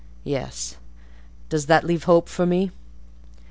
Yes: does that leave hope for me?"